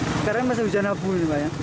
sekarang masih hujan abu ini pak ya